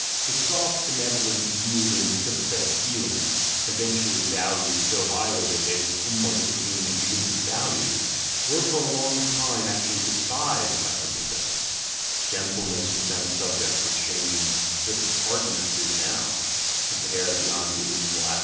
The soft, benevolent, yielding, sympathetic feelings — eventually valued so highly that they almost became "intrinsic values," were for a very long time actually despised by their possessors: gentleness was then a sub ject for shame, just as hardness is now (compare B( yond Good and Evil, Aph.